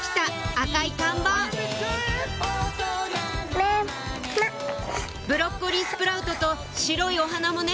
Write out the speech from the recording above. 赤い看板ブロッコリースプラウトと白いお花もね！